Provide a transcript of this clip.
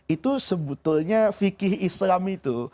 itu sebetulnya fikih islam itu